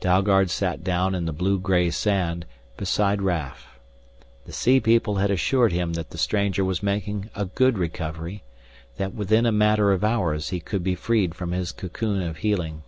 Dalgard sat down in the blue gray sand beside Raf. The sea people had assured him that the stranger was making a good recovery, that within a matter of hours he could be freed from his cocoon of healing.